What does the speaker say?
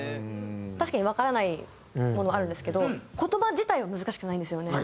確かにわからないものあるんですけど言葉自体は難しくないんですよね。